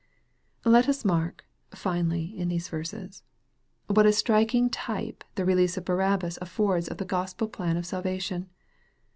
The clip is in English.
Let us mark, finally, in these verses, what a striking type the release of Barabbas affords of the Gospel plan of salvation.